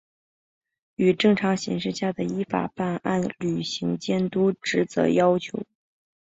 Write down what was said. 与正常形势下的依法办案、履行监督职责要求